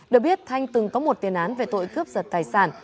được biết thanh từng có một tiền án về tội cướp giật tài sản